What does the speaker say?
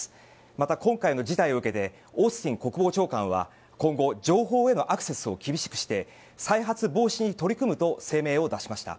また今回の事態を受けてオースティン国防長官は今後、情報へのアクセスを厳しくして再発防止に取り組むと声明を出しました。